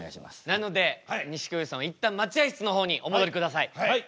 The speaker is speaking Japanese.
なので錦鯉さんは一旦待合室の方にお戻りください。